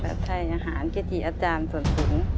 ค่ายอาหารเกจิอาจารย์ส่วนสูง